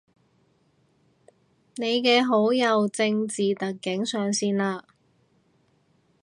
你嘅好友正字特警上線喇